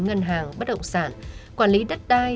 ngân hàng bất động sản quản lý đất đai